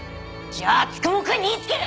じゃあ九十九くんに言いつける！